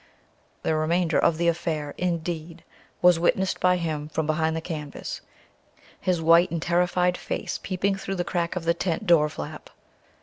The remainder of the affair, indeed, was witnessed by him from behind the canvas, his white and terrified face peeping through the crack of the tent door flap.